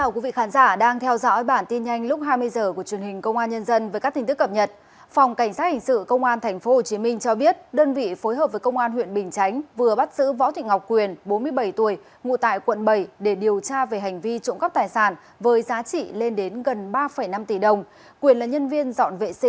cảm ơn các bạn đã theo dõi